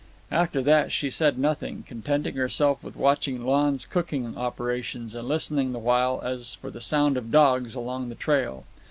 After that she said nothing, contenting herself with watching Lon's cooking operations, and listening the while as for the sound of dogs along the trail.